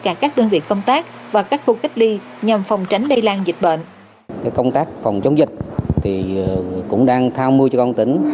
các trường hợp cách ly phải được xét nghiệm cho kết quả âm tính bốn lần